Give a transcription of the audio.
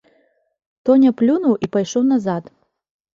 Тоня плюнуў і пайшоў назад.